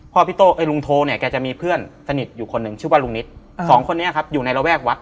พี่โต้ลุงโทเนี่ยแกจะมีเพื่อนสนิทอยู่คนหนึ่งชื่อว่าลุงนิตสองคนนี้ครับอยู่ในระแวกวัด